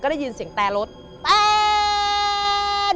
ก็ได้ยินเสียงแตรรถแป้น